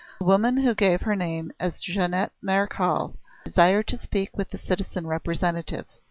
A woman, who gave her name as Jeannette Marechal, desired to speak with the citizen Representative.